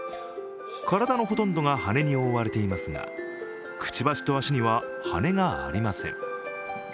体のほとんどが羽根に覆われていますがくちばしと足には羽根がありません。